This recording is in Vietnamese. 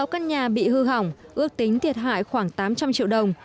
sáu căn nhà bị hư hỏng ước tính thiệt hại khoảng tám trăm linh triệu đồng